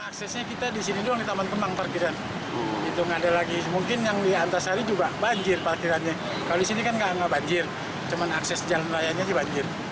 kalau di sini kan enggak banjir cuman akses jalan raya aja banjir